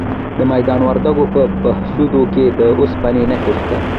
د میدان وردګو په بهسودو کې د اوسپنې نښې شته.